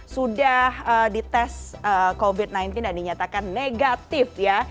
sudah dites covid sembilan belas dan dinyatakan negatif ya